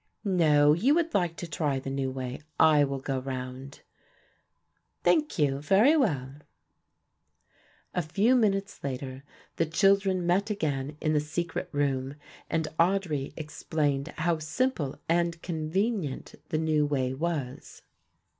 "No, you would like to try the new way; I will go round." "Thank you, very well." A few minutes later the children met again in the secret room, and Audry explained how simple and convenient the new way was.